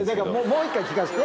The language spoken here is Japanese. もう一回聞かせて。